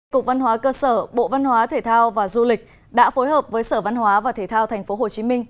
cục văn hóa cơ sở bộ văn hóa thể thao và du lịch đã phối hợp với sở văn hóa và thể thao tp hcm